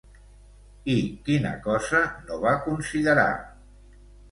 I quina cosa no va considerar?